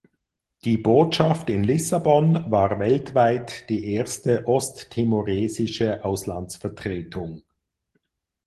Die Botschaft in Lissabon war weltweit die erste osttimoresische Auslandsvertretung.